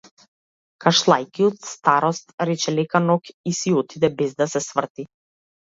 Кашлајќи од старост, рече лека ноќ и си отиде, без да се сврти.